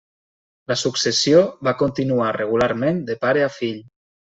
La successió va continuar regularment de pare a fill.